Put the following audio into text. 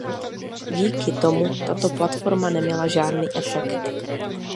Díky tomu tato platforma neměla žádný efekt.